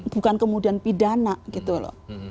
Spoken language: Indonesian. bukan kemudian pidana gitu loh